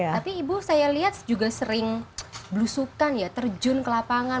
tapi ibu saya lihat juga sering belusukan ya terjun ke lapangan